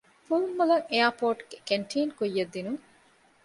ފުވައްމުލައް އެއަރޕޯޓުގެ ކެންޓީން ކުއްޔަށްދިނުން